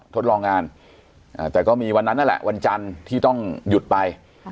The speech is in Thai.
ทดลองงานแต่ก็มีวันนั้นนั่นแหละวันจันทร์ที่ต้องหยุดไป